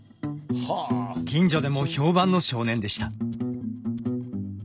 近所でも評判の少年でした。